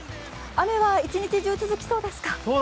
雨は一日中続きそうですか。